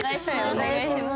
お願いします。